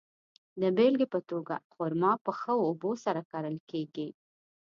د بېلګې په توګه، خرما په ښه اوبو سره کرل کیږي.